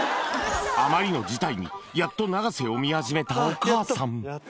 あまりの事態にやっと永瀬を見始めたお母さん